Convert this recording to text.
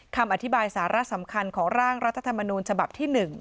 คำอธิบายสาระสำคัญของร่างรัฐธรรมนูญฉบับที่๑